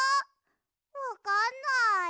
わかんない。